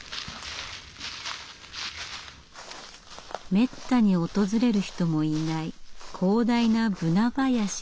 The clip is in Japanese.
めったに訪れる人もいない広大なブナ林です。